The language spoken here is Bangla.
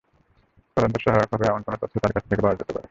তদন্তে সহায়ক হবে এমন কোনো তথ্য তাঁর কাছ থেকে পাওয়া যেতে পারে।